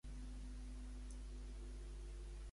Què han criticat els de Ciutadans?